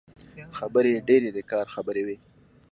خبرې يې ډېرې د کار خبرې وې.